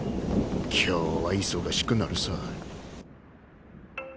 今日は忙しくなるさ。